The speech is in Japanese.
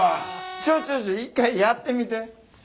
ちょっとちょっと一回やってみて。